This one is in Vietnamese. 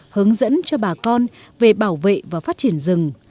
hướng dẫn cho bà con về bảo vệ và phát triển rừng